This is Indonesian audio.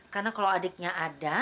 karena kalau adiknya ada